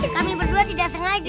kami berdua tidak sengaja